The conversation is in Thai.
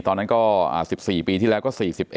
ตอนนั้นก็๑๔ปีที่แล้วก็๔๑